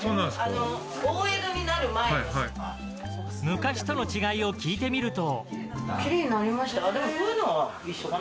昔との違いを聞いてみると。